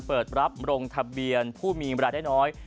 เปิดรับร่งทะเบียนผู้มีมีการไม่ได้น้อย